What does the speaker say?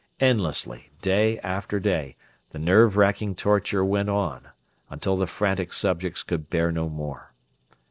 Endlessly, day after day, the nerve wracking torture went on, until the frantic subjects could bear no more.